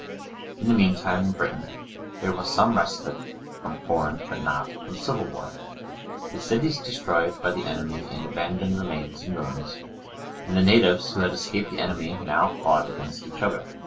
In the meantime, in Britain, there was some respite from foreign, but not from civil war. The cities destroyed by the enemy and abandoned remained in ruins; and the natives, who had escaped the enemy, now fought against each other.